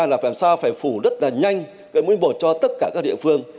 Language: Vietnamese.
là phải làm sao phải phủ rất là nhanh cái mũi một cho tất cả các địa phương